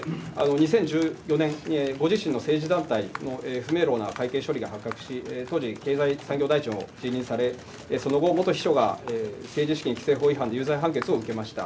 ２０１４年、ご自身の政治団体の不明朗な会計処理が発覚し、当時、経済産業大臣を辞任され、その後、元秘書が政治資金規正法違反で有罪判決を受けました。